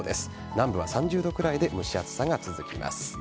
南部は３０度くらいで蒸し暑さが続きます。